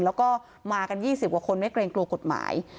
แล้วก็มากัน๒๐กว่าคนไม่เกรงกลัวกฎหมาย